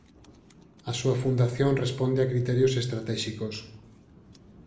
A súa fundación responde a criterios estratéxicos.